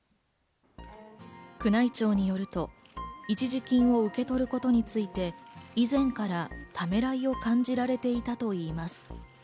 宮内庁によると、一時金を受け取ることについて、以前からためらいを感じられていたといいます。